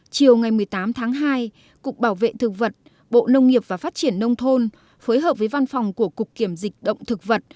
chiều ngày một mươi tám tháng hai cục bảo vệ thực vật bộ nông nghiệp và phát triển nông thôn phối hợp với văn phòng của cục kiểm dịch động thực vật